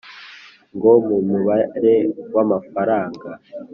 ngom umubare w amafaranga